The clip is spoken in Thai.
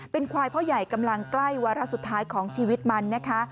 เป็นควายพ่อใหญ่กำลังใกล้วาระสุดท้ายของชีวิตมันนะคะ